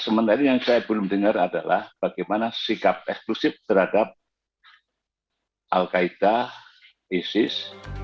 sementara yang saya belum dengar adalah bagaimana sikap eksklusif terhadap al qaeda isis